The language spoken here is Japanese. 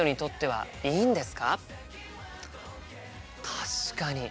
確かに。